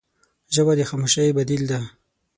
ژبه د خاموشۍ بدیل ده